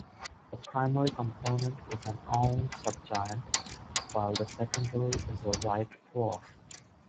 The primary component is an orange subgiant, while the secondary is a white dwarf.